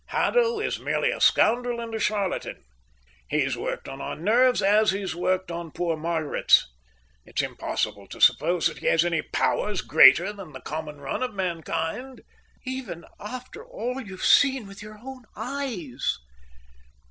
Haddo is merely a scoundrel and a charlatan. He's worked on our nerves as he's worked on poor Margaret's. It's impossible to suppose that he has any powers greater than the common run of mankind." "Even after all you've seen with your own eyes?"